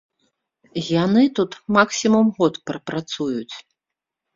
Яны тут максімум год прапрацуюць.